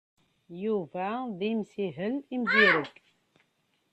Yuba d imsihel imzireg.